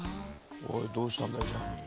おいどうしたんだよジャーニー。